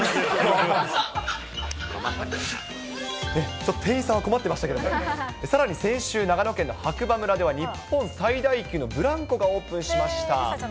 ちょっと店員さんは困ってましたけどね、さらに先週、長野県の白馬村では、日本最大級のブランコがオープンしました。